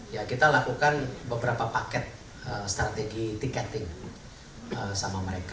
ya kita lakukan beberapa paket strategi tiketing sama mereka